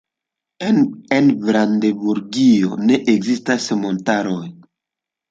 En Brandenburgio ne ekzistas montaroj.